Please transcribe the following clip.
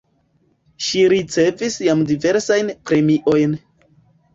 Ŝi ricevis jam diversajn premiojn.